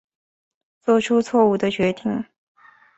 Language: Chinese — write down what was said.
做出错误的决定